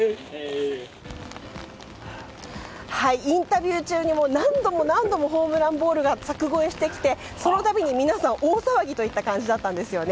インタビュー中にも何度も何度もホームランボールが柵越えしてきてその度に皆さん、大騒ぎといった感じだったんですね。